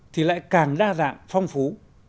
thì lại càng đa dạng phong phú